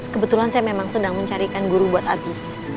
kebetulan saya memang sedang mencarikan guru buat ati